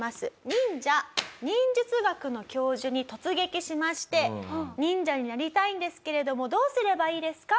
忍者・忍術学の教授に突撃しまして「忍者になりたいんですけれどもどうすればいいですか？」